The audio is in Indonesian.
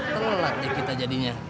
telat deh kita jadinya